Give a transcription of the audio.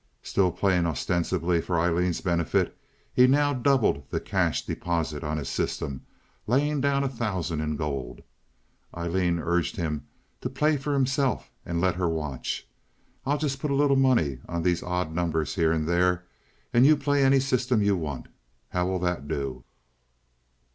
Still playing ostensibly for Aileen's benefit, he now doubled the cash deposit on his system, laying down a thousand in gold. Aileen urged him to play for himself and let her watch. "I'll just put a little money on these odd numbers here and there, and you play any system you want. How will that do?"